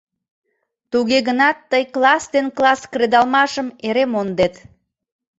Туге гынат тый класс ден класс кредалмашым эре мондет.